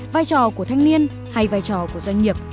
vai trò của thanh niên hay vai trò của doanh nghiệp